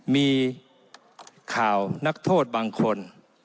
มีข่าวนักโทษบางคน